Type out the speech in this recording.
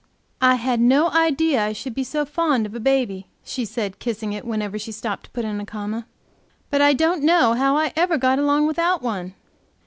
"I had no idea I should be so fond of a baby," she said, kissing it, whenever she stopped to put in a comma; "but I don't know how I ever got along without one.